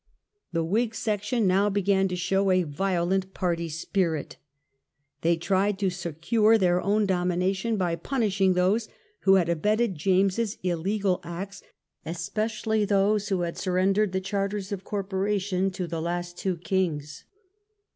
The Whig section now began to show a violent party spirit. They tried to secure their own domination by punishing those who had abetted James's illegal acts, espe cially those who had surrendered the charters of corpora tions to the last two kings.